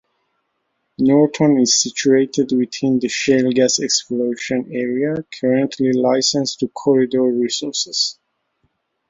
Norton is situated within the shale gas exploration area currently licensed to Corridor Resources.